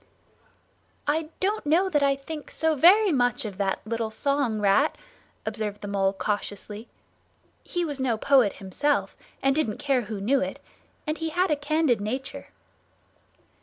"I don't know that I think so very much of that little song, Rat," observed the Mole cautiously. He was no poet himself and didn't care who knew it; and he had a candid nature.